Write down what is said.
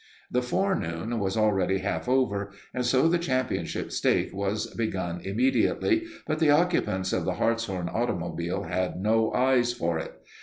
The forenoon was already half over and so the Championship stake was begun immediately, but the occupants of the Hartshorn automobile had no eyes for it.